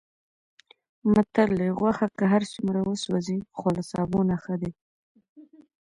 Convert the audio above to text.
متل دی: غوښه که هرڅومره وسوځي، خو له سابو نه ښه وي.